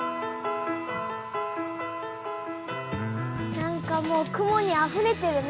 なんかもう雲にあふれてるね。